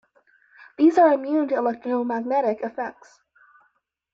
These are immune to electromagnetic effects.